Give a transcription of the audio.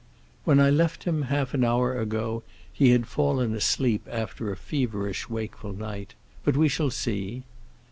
"When I left him, half an hour ago, he had fallen asleep after a feverish, wakeful night. But we shall see."